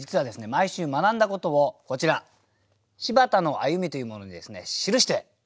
毎週学んだことをこちら「柴田の歩み」というものにですね記しておりますね。